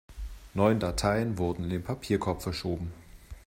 Neun Dateien wurden in den Papierkorb verschoben.